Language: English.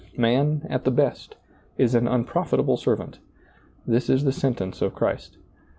Man, at the best, is an unprofitable servant — this is the sentence of Christ.